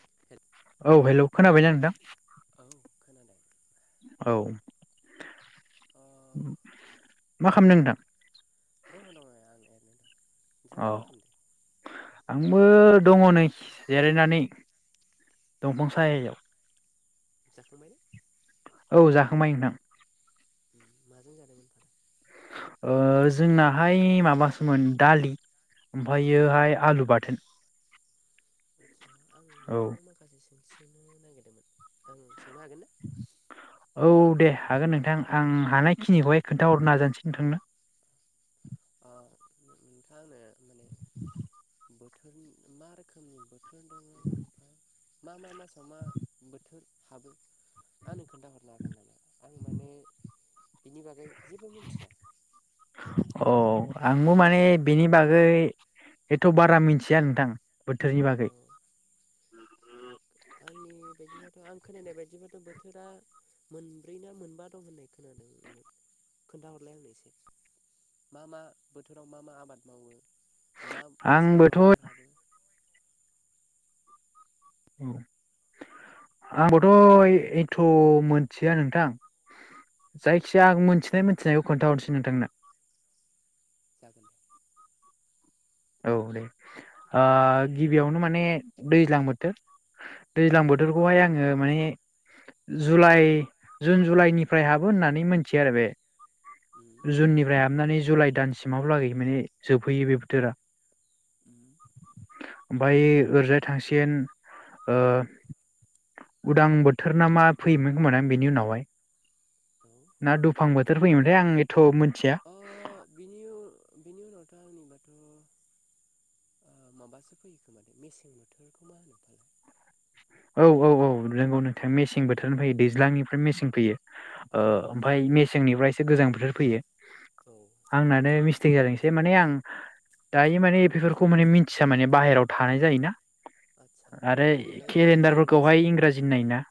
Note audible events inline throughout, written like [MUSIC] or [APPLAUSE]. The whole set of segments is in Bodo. [INAUDIBLE] औ हेलौ खोनाबायना नोंथां? औ खोनादों औ अ मा खालामदों नोंथां? दङ दङ आं एरैनो दं औ नोंथाङालाय मा खालामदों? आंबो दङ नै जिरायनानै दंफां सायायाव। जाखांबाय ने? औ जाखांबाय नोंथां। माजों जादों नोंथां? ओ जोंनाहाय माबासोमोन दालि ओमफायोहाय आलु बाथोन। आटचा आं औ नोंथांनाव माखासे सोंनो नागिरदोंमोन आं सोंनो हागोन ना औ दे हागोन नोंथां आं हानायखिनिखौहाय खोन्थाहरनो नाजानोसै नोंथांनो। अ नोंथाङा आंनो माने बोथोरनि मा रोखोमनि बोथोर दङ ओमफ्राय मा मा मासाव मा बोथोर हाबो आंनो खोन्थाहरनो हागोन नामा? आं माने बिनि बागै जेबो मोन्थिया। औ आंबो माने बेनि बागै एथ' बारा मिथिया नोंथां बोथोरनि बागै औ [UNINTELLIGIBLE] आंबोथ' [UNINTELLIGIBLE] [UNINTELLIGIBLE] आंबोथ' एथ' मोनथिया नोंथां जायखिजाया आं मोनथिनाय मोनथिनायखौ खोन्थाहरसै नोंथांनो [INAUDIBLE] औ दे गिबियावनो माने दैज्लां बोथोर औ दैज्लां बोथोरखौहाय आङो माने जुलाइ जुन जुलाइनिफ्राय हाबो होननानै मिथियो आरो बे उम जुननिफ्राय हाबनानै जुलाइ दानसिमाबहालागै माने जोबहैयो बे बोथोरा। ओमफाय ओरैजाय थांसिन ओ उदां ओ बोथोर ना मा फैयोमोन खोमा ना बेनि उनावहाय औ ना दुफां बोथोर फैयोमोनथायाय आं एथ' मोनथिया [UNINTELLIGIBLE] ओ माबासो फैयो खोमा मेसें बोथोर। औ औ औ नोंगौ नोंथाङा मेसें बोथोर फैयो दैज्लांनिफ्राय मेसें फैयो ओमफ्राय मेसेंनिफ्राय एसे गोजां बोथोर फैयो। औ आंनानो मिस जैदोंसै माने आं दायो माने बेफोरखौ माने मिथिया माने बाहेरायाव थानाय जायोना आदसा आरो खोन्थाहरलाय दे जे केलेन्डारफोरखौहाय मोनथिनायखौ इंराजि नायोना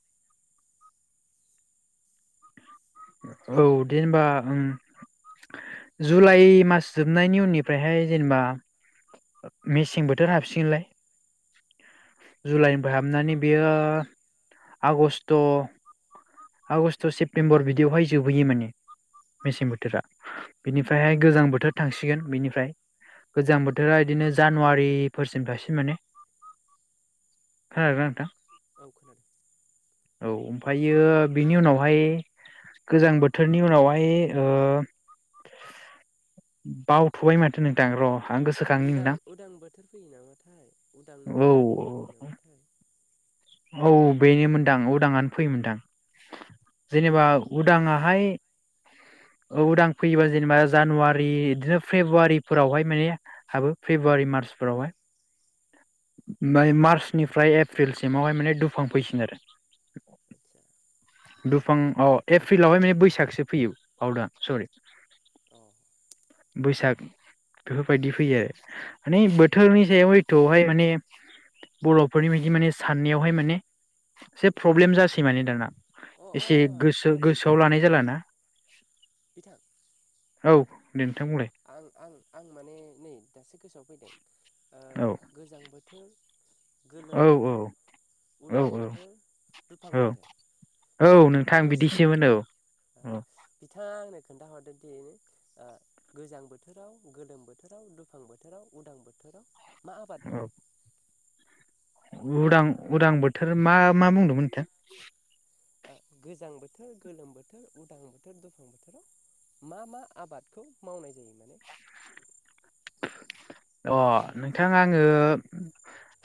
औ दे होनबा उम जुलाइ मास जोबनायनि उननिफ्रायहाय जेनेबा मेसें बोथोर हाबसिगोनलाय जुलाइ हाबनानै बेयो आगष्ट आगष्ट सेप्तेम्बर बिदियावहाय जोबबोैयो माने मेसें बोथोरा। बिनिफ्रायहाय गोजां बोथोर थांसिगोन बिनिफ्राय गोजां बोथोरा इदिनो जानुवारिफोरसिम थासिन माने खोनादोना नोंथां? औ खोनादों। औ ओमफ्रायो बिनि उनावहाय गोजां बोथोरनि उनावहाय ओ बावथ'बाय माथो नोंथां र' आं गोसोखांनि उदां नोंथां उदां बोथोर फैयो नामाथाय औ उदांनिफ्राय दुफां फैयो नामाथाय? औ बेनो मोनदां उदांआनो फैयोमोनदां जेनेबा उदाङाहाय औ उदां फैयोबा जेनेबा जानुवारि बिदिनो फेब्रुवारिफोरावहाय माने हाबो फेब्रुवारि मार्चफोरावहाय ओफाय मार्चनिफ्राय एप्रिलसिमावहाय माने दुफां फैसिन आरो आदसा दुफां अ एप्रिलावहाय माने बैसागसो फैयो बावदो आं सरि अ बैसाग बेफोरबायदि फैयो माने बोथोरनि सायाव हयथ'हाय माने बर'फोरनि बायदि साननायाव माने एसे प्रब्लेम जासै माने दाना अ अ एसे गोसो खोनादों गोसोआव बिथां लानाय जालाना बिथां औ दे नोंथां बुंलाय आं आं आं माने नै दासो गोसोआव फैदों। औ गोजां बोथोर गोलोम औ बोथोर औ उदां औ बोथोर दुफां औ बोथोर औ बेखौथ' नोंथां बिदिसोमोन औ मोनथियो औ बिथाङा आंनो खोन्थाहरदो दे आ गोजां बोथोराव, गोलोम बोथोराव, दुफां बोथोराव उदां, बोथोराव, मा आबाद औ मावो? उदां उदां बोथोर मा मा बुंदोंमोन नोंथां? गोजां बोथोर गोलोम बोथोर उदां बोथोर दुफां बोथोराव मा मा आबादखौ मावनाय जायो? माने अ नोंथां आङो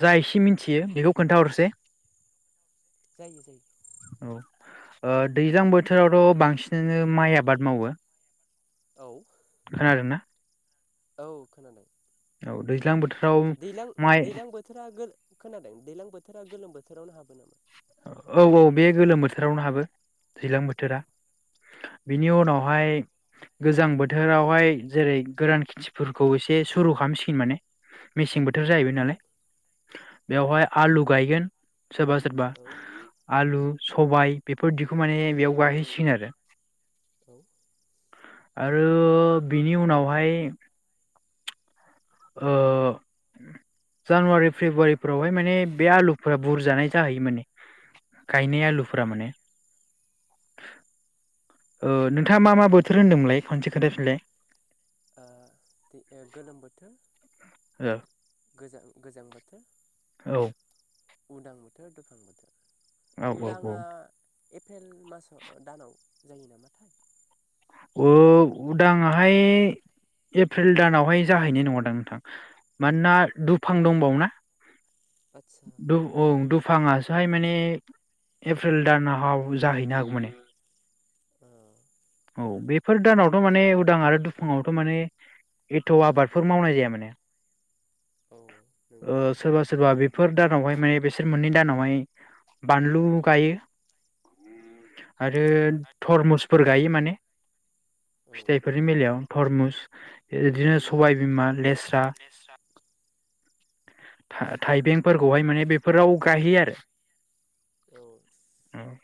जा एसे मिथियो बेखौ खोन्थाहरसै जायो जायो। औ दैज्लां बोथोरावथ' बांसिनानो माइ आबाद मावो। औ। खोनादोंना? औ खोनादों। औ दैज्लां बोथोर दैलां दैज्लां बोथोरा गोर खोनादों दैलां बोथोरा गोलोम बोथोरावनो हाबो नामा? औ-औ बे गोलोम बोथोरावनो हाबो। दैज्लां बोथोरा बिनि उनावहाय गोजां बोथोरावहाय जेरै गोरान खिथिफोरखौ एसे सुरु खालामसिगोन माने। मेसें बोथोर बोथोर जाहैबाय औ नालाय औ बेवहाय आलु गायगोन सोरबा-सोरबा औ आलु, सबाइ बेफोरदिखौ माने बेयाव गाहैसिगोन आरो। औ। आरो बिनि उनावहाय ओ जानुवारि फेब्रुवारिफोरावहाय माने बे आलुफोरा बुरजानाय जाहैयो माने गायनाय आलुफोरा माने। ओ नोंथाङा मा मा बोथोर होनदोंमोनलाय खनसे खोनथा फिनलाय? औ दे गोलोम बोथोर। औ। गोजां गोजां बोथोर। औ। उदां बोथोर, दुफां औ बोथोर औ उदाङा एप्रिल मासाव, दानाव जायो नामाथाय। ओ उदाङाहाय एप्रिल दानावहाय जाहैनाय नङादां नोंथां, मानोना दुफां दंबावो ना आदसा दं औ दं। दुफाङासोहाय माने एप्रिल दानाव जाहैनो हागौ माने। औ। औ बेफोर दानावथ' माने उदां आरो दुफुङावथ' माने एथ' आबादफोर मावनाय जाया माने। औ नंगौ ओ नामा सोरबा सोरबा बे बेफोर दानावहाय माने बिसोर मोननै दानावहाय बानलु गायो। आरो औ थरमुसफोर माने औ फिथाइफोरनि बेलायाव थरमुस बिदिनो सबायबिमा मा लेस्रा, लेस्रा औ थाइबेंफोरखौहाय माने बे फोराव गायहैयो आरो औ औ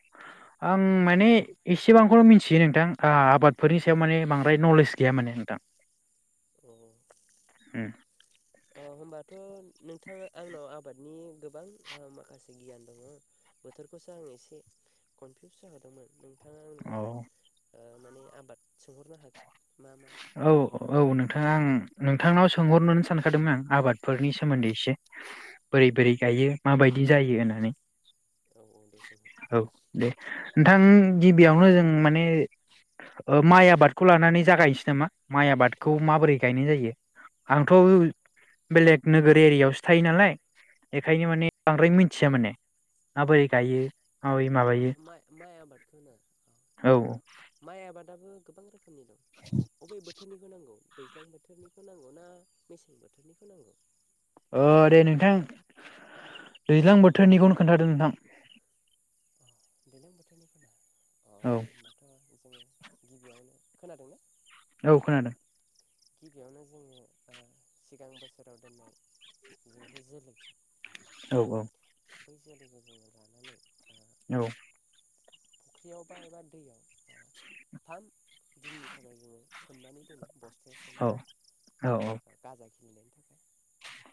आं माने एसेबांखौनो मिन थियो नोंथां। ओ आबादफोरनि सायाव माने बांद्राय नलेज गैया माने नोंथां। औ उम। ओ होमबाथ' नोंथाङा आंनाव आबादनि गोबां माखासे गियान दङ बोथोरखौसो आं एसे कनफिउस जाहोदोंमोन नोंथाङा आंबो औ ओ माने आबाद सोंहरनो हागोन मा मा औ बोरै औ मावो नोंथाङा आं नों थांनाव सोंहरनोनो सानखादोंमोन आं आबादफोरनि सोमोन्दै एसे बोरै बोरै गायो माबायदि जायो होननानै औ औ दे सोंहर [UNINTELLIGIBLE] औ दे नोंथां गिबियावनो जों माने ओ माइ आबादखौ लानानै जागाय सि नामा माइ आबादखौ माबोरै गायनाय जायो आंथ' बेलेग नोगोर एरियायावसो थायो नालाय बेखायनो माने बांद्राय मिथिया माने माबोरै गायो माबोरै माबायो मा-मा-माइ आबादखौ होनो [INAUDIBLE] औ दाबो गोबां रोखोम रोखोमनि दं अबे बोथोरनिखौ नांगौ दैज्लां बोथोरनिखौ नांगौ ना मेसें बोथोरनिखौ नांगौ ओ दे नोंथां दैज्लां बोथोरनिखौनो खोन्थादो नोंथां [INAUDIBLE] अ होनोमबाथ' औ जोंङो गिबियावनो खोनादोंना? औ खोनादों गिबियावनो जोङो सिगां बोसोराव दोननाय जुन्थु जोलै औ औ बै जोलैखौ जोंङो लानानै औ फुख्रियाव बा एबा दैयाव थाम दिननि थाखाय जोंङो सोमनानै दोनो बस औ औ औ खिलिनायनि थाखाय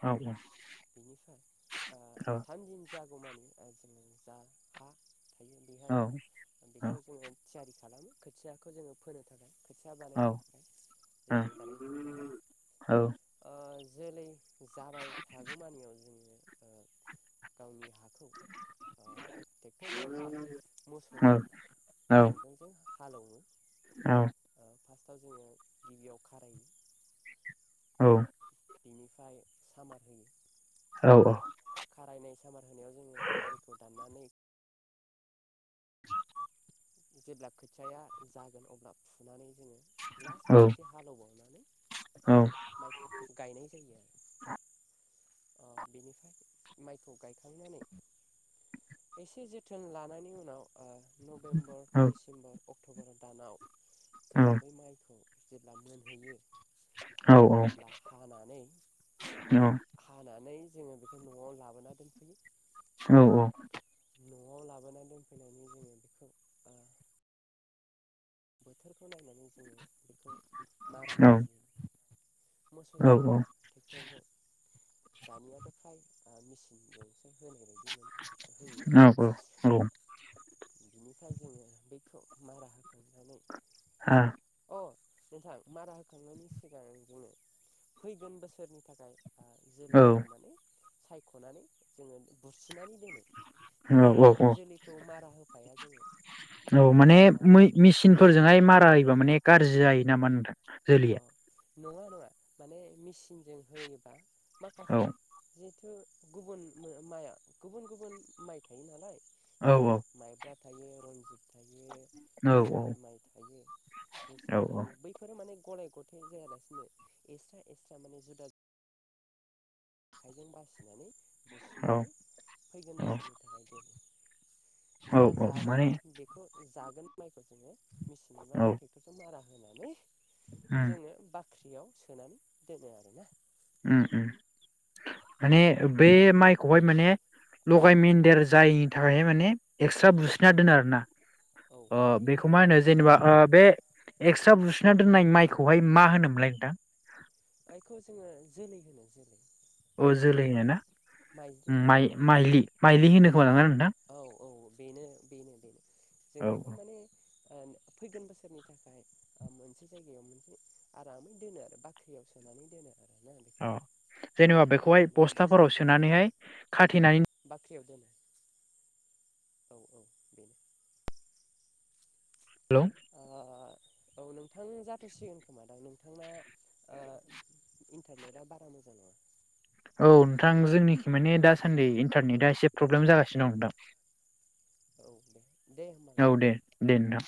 औ औ [INAUDIBLE] थाम दिननि जागौमानि जों जा हा थायो औ बेहाय बेखौ जोंङो थियारि खालामो खोथियाखौ जोंङो फोनो थाखाय खो थिया औ बानायनो थाखाय जोलै बानायनो थाखाय ओ जोलै जाबाय थागौमानियाव जोंङो आ गावनि हा खौ ओ ट्रेक्टर एबा मोसौजों नांगोलजों हालौवो ओ फार्स्टआव जोंङो गिबियाव खारायो औ बिनिफ्राय सामार होयो औ [INAUDIBLE] खारायनाय, सामार होनायाव जोंङो आलिखौ दान्नानै [INAUDIBLE] जेब्ला खोथियाया जागोन अब्ला फुनानै जोङो लास औ खेबसे हालेवबावनानै औ जोङो माइखौ गायनाय जायो आरो। बेनिफ्राय माइखौ गायखांनानै एसे जोथोन लानायनि उनाव ओ नभेमबर, औ दिसेम्बर, अक ट'बर दानाव औ जोङो बै माइखौ जेब्ला मोनहैयो औ औ अब्ला हानानै हानानै जोङो बेखौ न'आव लाबोना दोनफैयो औ औ न'आव लाबोना दोनफैनानै जोङो बेखौ आ बोथोरखौ नायनानै जोङो मारा होनाय जायो आ औ मोसौजों एबा ट्रेक्टरजों दानियाथ' फ्राय आ मिसिनजों औ औ नाथाय जोङो बेखौ मारा होखां अ नोंथां मारा होखांनायनि सिगां जोंङो फैगोन बोसोरनि थाखाय आं जोलैखौ माने सायखनानै जोङो बेखौ सु थिनानै दोनो जोङो औ औ औ जोलैखौ मारा होफाया जोङो ओ मा मिसिनफोरजोंहाय मारा होयोबा माने गाज्रि जायो नामा नोंथां अ जोलैया। नङा नङा माने मेसिनजों होयोबा औ माखासे थो गुबुन माइया गुबुन गुबुन माइ थायो नालाय। औ जेरै माइब्रा थायो रनजित थायो। औ औ बिजय माइ थायो जोसा थायो बैफोरो माने गलाय-गथाय जायालासिनो एस्रा एस्रा माने जुदा आखाइजों बासिनानै औ बुसिनानै फैगोन औ बोसोरनि थाखाय दोनो। औ जा औ जागोन माने बेखौ जागोन माइखौ जोंङो। मिसिननिबा औ थेकटरजों मारा नायनानै उम जोंङो बाख फाख्रियाव सोनानै दोनो आरो ना उम उम माने बे माइखौहाय माने लगाय मेन्देर जायैनि थाखायहाय माने एक्सट्रा बुस्रिना दोनो आरो ना। औ ओ माने बेखौ ओ मा होनो जेनेबा जोलैया बे एक्सट्रा बुस्थ सोना दोननाय माइखौहाय मा होनोमोनलाय नोंथां। बेखौ जोङो जोलै होनो जोलै। अ माइज्लि जोलैनो ना माइज्लि होनो माइ माइलि माइलि होनो। [UNINTELLIGIBLE] औ औ बेनो बेनो बेनो जों बेखौ औ माने ओ फैगोन बोसोरनि थाखाय मोनसे जायगायाव मोनसे आरामै दोनो आरो बाख्रियाव सोनानै दोनो आरो। अ जेनेबा बेखौहाय माने बस्थाफोराव सोनानैहाय खाथेनानै फ्रियाव दोनो औ-औ बेनो हेलै ओ औ नोंथां जाथ'सिगोन खोमा दा नोंथांना? इन्टारनेटआ बारा मोजां नङा औ नोंथां जोंनिखि माने दासान्दि इन्टारनेटआ एसे प्रब्लेम जागासिनो दं नोंथां औ दे औ दे दे नोंथां